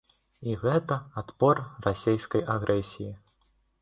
І гэта адпор расійскай агрэсіі.